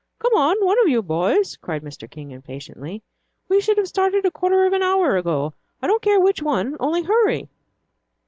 "Come on, one of you boys," cried Mr. King, impatiently. "We should have started a quarter of an hour ago I don't care which one, only hurry."